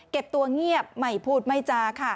เก็บตัวเงียบไม่พูดใหม่จ่า